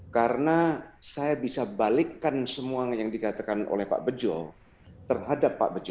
karena saya bisa balikkan semua yang dikatakan oleh pak bejo terhadap pak bejo